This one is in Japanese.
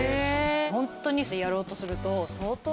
ホントにやろうとすると相当。